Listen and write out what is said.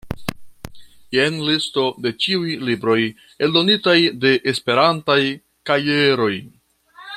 Jen listo de ĉiuj libroj eldonitaj de Esperantaj Kajeroj.